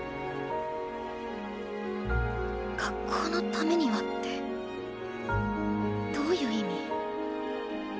学校のためにはってどういう意味？